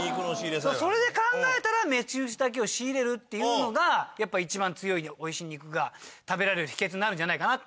それで考えたら「雌牛だけを仕入れる」っていうのがやっぱり一番強いおいしい肉が食べられる秘訣になるんじゃないかな。